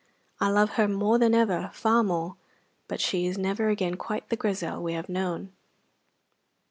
I love her more than ever, far more; but she is never again quite the Grizel we have known.